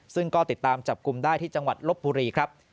ซึ่งก็ติดตามจับกลุ่มได้ที่จังหวัดลบบุรีครับ